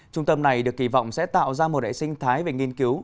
trung tâm này được kỳ vọng sẽ tạo ra một đại sinh thái về nghiên cứu